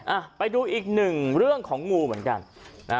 อ่ะไปดูอีกหนึ่งเรื่องของงูเหมือนกันนะฮะ